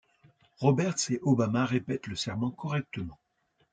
Roberts et Obama répètent le serment correctement.